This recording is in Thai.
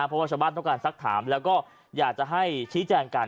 เพราะว่าชาวบ้านต้องการสักถามแล้วก็อยากจะให้ชี้แจงกัน